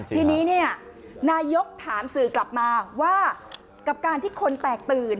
ทีนี้นายกถามสื่อกลับมาว่ากับการที่คนแตกตื่น